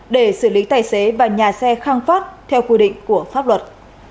để xử lý tài xế và nhà xe khang phát theo quy định của pháp luật